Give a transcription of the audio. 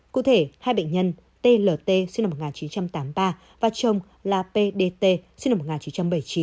cụ thể hai bệnh nhân tlt sinh năm một nghìn chín trăm tám mươi ba và chồng là pd sinh năm một nghìn chín trăm bảy mươi chín